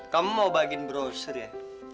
kamu mau bagiin browser ya